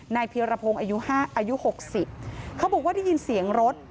เพียรพงศ์อายุ๖๐เขาบอกว่าได้ยินเสียงรถ